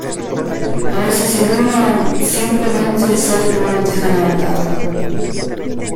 A veces el humo simplemente sale por un teja levantada.